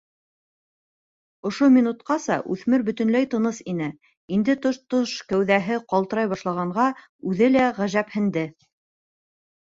Ошо минутҡаса үҫмер бөтөнләй тыныс ине, инде тотош кәүҙәһе ҡалтырай башлағанға үҙе лә ғәжәпһенде.